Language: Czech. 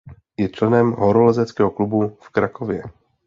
Je členem horolezeckého klubu v Krakově.